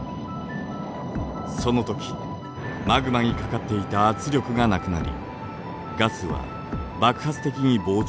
その時マグマにかかっていた圧力がなくなりガスは爆発的に膨張。